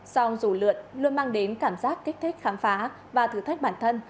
song dù lượn luôn mang đến cảm giác kích thích khám phá và thử thách bản thân